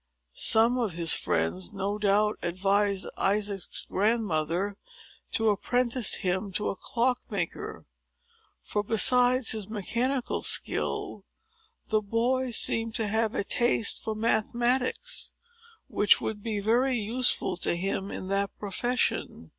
Some of his friends, no doubt, advised Isaac's grandmother to apprentice him to a clockmaker; for, besides his mechanical skill, the boy seemed to have a taste for mathematics, which would be very useful to him in that profession.